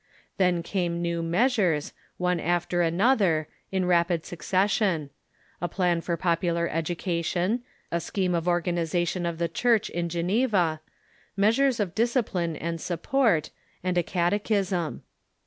Then came new meas ures, one after another, in rapid succession — a plan for pop ular education, a scheme of organization of the Church in Geneva, measures of discipline and support, and a catechism.